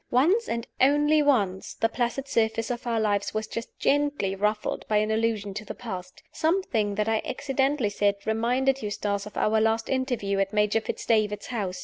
Once, and once only, the placid surface of our lives was just gently ruffled by an allusion to the past. Something that I accidentally said reminded Eustace of our last interview at Major Fitz David's house.